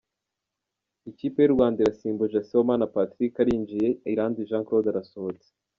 Ikipe y’u Rwanda irasimbuje Sibomana Patrick arinjiye, Iranzi Jean Claude arasohotse.